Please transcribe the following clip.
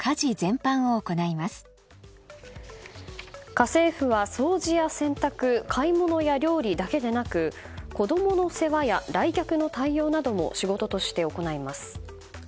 家政婦は、掃除や洗濯買い物や料理だけでなく子供の世話や来客の対応なども仕事として行います。